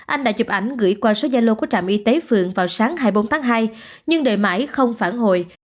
anh đã chụp ảnh gửi qua số gia lô của trạm y tế phường vào sáng hai mươi bốn tháng hai nhưng đời mãi không phản hồi